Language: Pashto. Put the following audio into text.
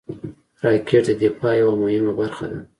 راکټ د دفاع یوه مهمه برخه ده